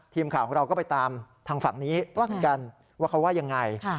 ทีมข่าวของเราก็ไปตามทางฝั่งนี้เหมือนกันว่าเขาว่ายังไง